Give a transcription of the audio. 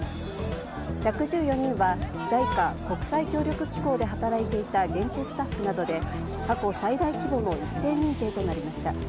１１４人はＪＩＣＡ・国際協力機構で働いていた現地スタッフなどで過去最大規模の一斉認定となりました。